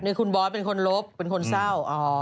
นี่คุณบอสเป็นคนลบเป็นคนเศร้า